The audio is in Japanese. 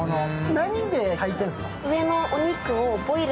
何で炊いているんですか？